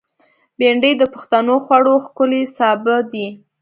بېنډۍ د پښتنو خوړو ښکلی سابه دی